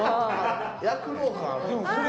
躍動感ある。